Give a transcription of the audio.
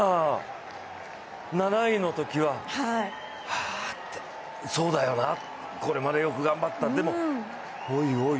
７位のときは、はぁ、そうだよな、これまでよく頑張った、でもおいおい